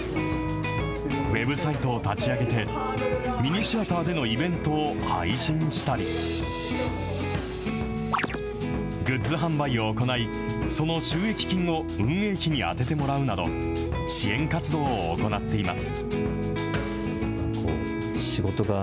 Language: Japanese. ウェブサイトを立ち上げて、ミニシアターでのイベントを配信したり、グッズ販売を行い、その収益金を運営費に充ててもらうなど、支援活動を行っています。